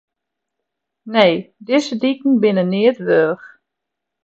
Nee, dizze diken binne neat wurdich.